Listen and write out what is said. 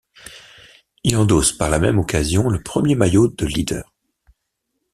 Il endosse par la même occasion le premier maillot de leader.